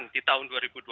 di tahun dua ribu dua puluh